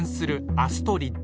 アストリッド！